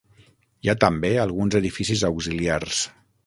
Hi ha també alguns edificis auxiliars.